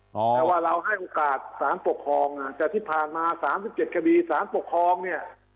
แต่ว่าเราให้โอกาสสารปกครองแต่ที่ผ่านมา๓๗คดีสารปกครองเนี่ย